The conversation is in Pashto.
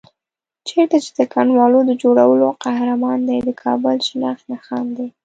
چېرته چې د کنډوالو د جوړولو قهرمان دی، د کابل شناخت نښان دی.